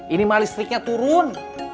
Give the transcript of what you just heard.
ini mah listriknya turun